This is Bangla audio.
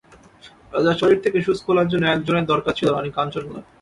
রাজার শরীর থেকে সুচ খোলার জন্য একজনের দরকার ছিল রানি কাঞ্চনমালার।